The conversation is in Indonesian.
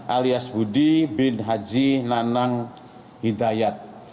alias budi bin haji nanang hidayat